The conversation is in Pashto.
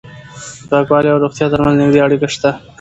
د پاکوالي او روغتیا ترمنځ نږدې اړیکه شته.